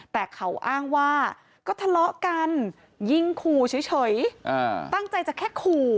แต่เขาอ้างว่าก็ทะเลาะกันยิงขู่เฉยตั้งใจจะแค่ขู่